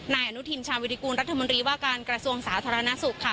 นายอนุทินชาวิริกูลรัฐมนตรีว่าการกระทรวงสาธารณสุขค่ะ